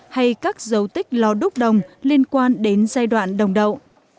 hay các dấu tích lò đúc đồng liên quan đến giai đoạn đồng đậu